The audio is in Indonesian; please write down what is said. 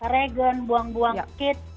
regen buang buang kit